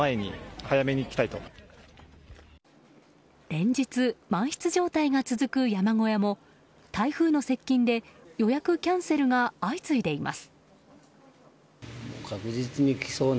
連日、満室状態が続く山小屋も台風の接近で予約キャンセルが相次いでいます。